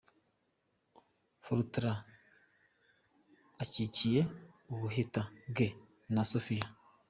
Fortran akikiye ubuheta bwe na Sophie.